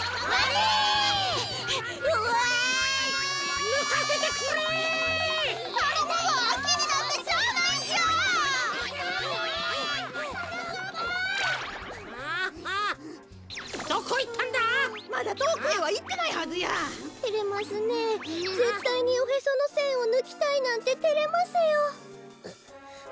ぜったいにおへそのせんをぬきたいなんててれますよ。